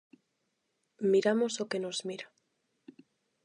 Miramos o que nos mira.